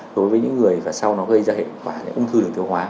đối với những người và sau nó gây ra hệ quả ung thư được thiếu hóa